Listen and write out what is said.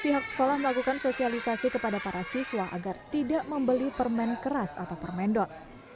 pihak sekolah melakukan sosialisasi kepada para siswa agar tidak membeli permen keras atau permen dot